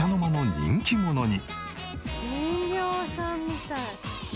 人形さんみたい。